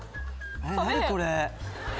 何これ！